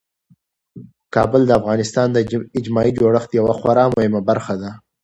کابل د افغانستان د اجتماعي جوړښت یوه خورا مهمه برخه ده.